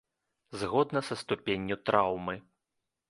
Згодна са ступенню траўмы.